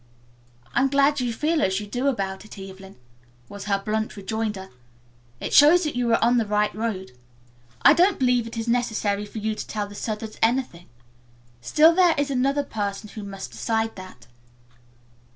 "I'm glad you feel as you do about it, Evelyn," was her blunt rejoinder. "It shows that you are on the right road. I don't believe it is necessary for you to tell the Southards anything. Still there is another person who must decide that."